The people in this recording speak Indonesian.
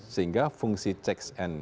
sehingga fungsi checks and